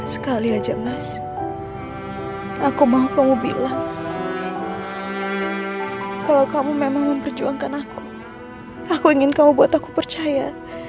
sekali aja mas aku mau kamu bilang kalau kamu memang memperjuangkan aku aku ingin kamu buat aku percaya